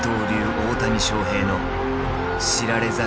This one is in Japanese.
大谷翔平の知られざる物語。